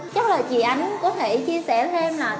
chắc là chị ánh có thể chia sẻ thêm là